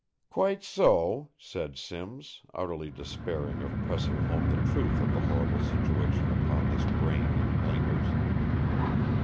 "Quite so," said Simms, utterly despairing of pressing home the truth of the horrible situation upon this brain in blinkers.